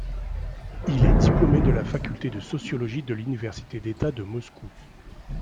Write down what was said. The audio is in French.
Il est diplômé de la faculté de sociologie de l'université d'État de Moscou.